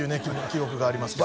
記憶があります